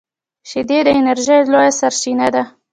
شیدې د انرژۍ لویه سرچینه ده